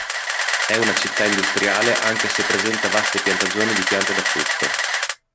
È una città industriale anche se presenta vaste piantagioni di piante da frutto.